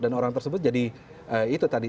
dan orang tersebut jadi